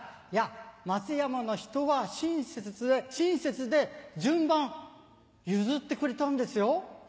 松山の人は親切で順番譲ってくれたんですよ。